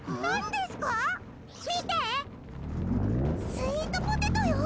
スイートポテトよ！